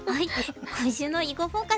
今週の「囲碁フォーカス」